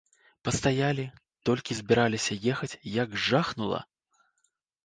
Пастаялі, толькі збіраліся ехаць, як жахнула!